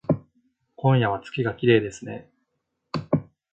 今夜は月がきれいですね